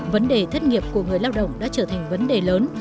vấn đề thất nghiệp của người lao động đã trở thành vấn đề lớn